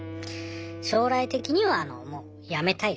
将来的にはもうやめたいです。